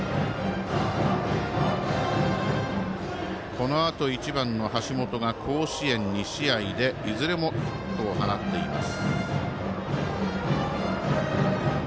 このあと１番の橋本が甲子園２試合でいずれもヒットを放っています。